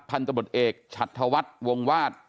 พันธบทเอกฉัดธวัฒน์วงวาด